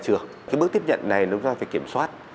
chúng ta phải kiểm soát